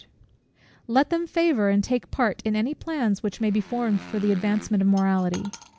Let them favour and take part in any plans which may be formed for the advancement of morality.